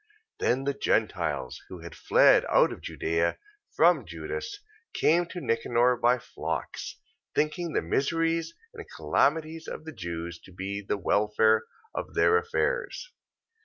14:14. Then the Gentiles who had fled out of Judea, from Judas, came to Nicanor by flocks, thinking the miseries and calamities of the Jews to be the welfare of their affairs.